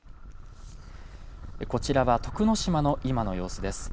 こちらは徳之島の今の様子です。